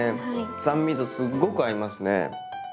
酸味とすっごく合いますね！